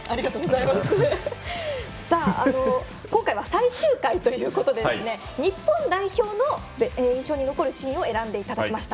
今回は最終回ということで日本代表の印象に残るシーンを選んでいただきました。